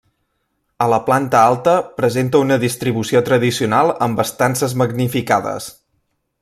A la planta alta presenta una distribució tradicional amb estances magnificades.